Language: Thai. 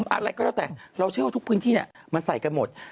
อะไรก็แล้วแต่เราเชื่อว่าทุกพื้นที่มันใส่กันหมด